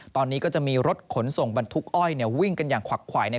ตอนนี้ก็จะมีรถขนส่งบรรทุกอ้อยวิ่งกันอย่างขวักขวาย